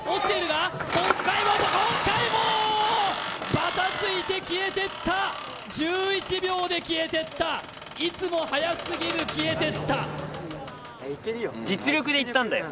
ばたついて消えてった１１秒で消えてったいつも早すぎる消えてった実力でいったんだよ